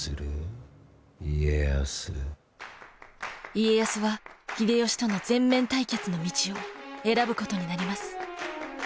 家康は秀吉との全面対決の道を選ぶことになります。